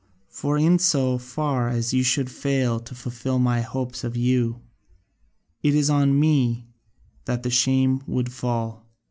For in so far as you should fail to fulfil my hopes of you, it is on me that the shame would fall.